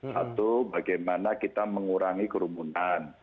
satu bagaimana kita mengurangi kerumunan